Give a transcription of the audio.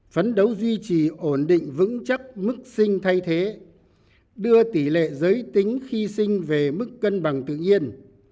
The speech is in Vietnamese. phấn đấu duy trì ổn định vững chắc mức sinh thay thế đưa tỷ lệ giới tính khi sinh về mức cân bằng tự nhiên